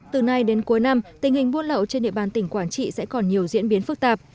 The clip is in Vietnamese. từ nay đến cuối năm tình hình buôn lậu trên địa bàn tỉnh quảng trị sẽ còn nhiều diễn biến phức tạp